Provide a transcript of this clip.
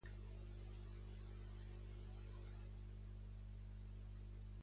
La pesca és una font important d'alimentació, destacant la de salmó, truita i perca són.